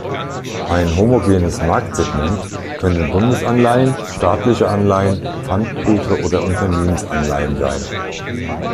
Ein homogenes Marktsegment können Bundesanleihen, staatliche Anleihen, Pfandbriefe oder Unternehmensanleihen sein.